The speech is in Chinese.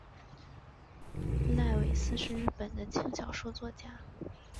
濑尾司是日本的轻小说作家。